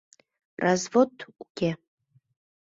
Развод уке!..